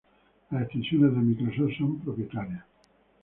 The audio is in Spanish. Las extensiones de Microsoft son propietarias.